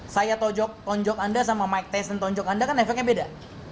saya tonjok anda sama mike tason tonjok anda kan efeknya beda